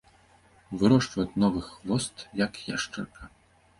Вырошчваць новы хвост, як яшчарка.